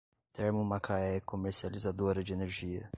Termomacaé Comercializadora de Energia